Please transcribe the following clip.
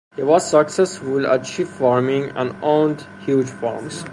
He was successful at sheep farming and owned huge farms.